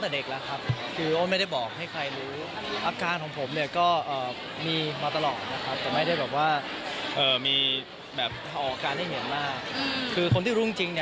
เดี่ยวดูคุณพี่ดู